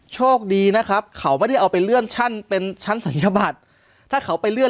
โชคดีนะครับเขาไม่ได้เอาไปเลื่อนชั้นเป็นชั้นศัลยบัตรถ้าเขาไปเลื่อน